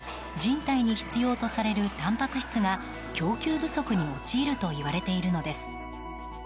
その結果人体に必要とされるたんぱく質が供給不足に陥るといわれているのです。